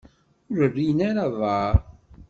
Ur rrin ara aḍar.